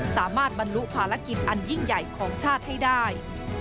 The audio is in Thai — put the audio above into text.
สามารถบรรลุภารกิจอันยิ่งใหญ่ของชาติให้ได้